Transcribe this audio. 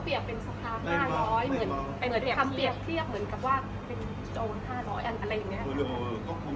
พี่เขาเปรียกเป็นสะพาน๕๐๐เหมือน